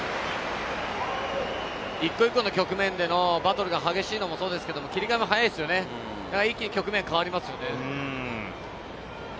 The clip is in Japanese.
１個１個の局面でのバトルが激しいのもそうですけれど、切り替えも速いですよね、一気に局面が変わりますよね。